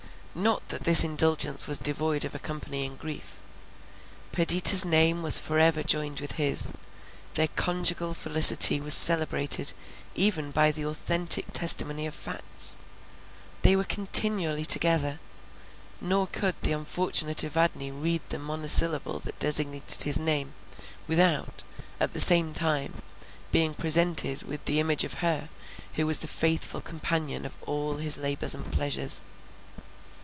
Not that this indulgence was devoid of accompanying grief. Perdita's name was for ever joined with his; their conjugal felicity was celebrated even by the authentic testimony of facts. They were continually together, nor could the unfortunate Evadne read the monosyllable that designated his name, without, at the same time, being presented with the image of her who was the faithful companion of all his labours and pleasures.